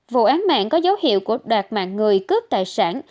vụ án mạng có dấu hiệu của đoạt mạng người cướp tài sản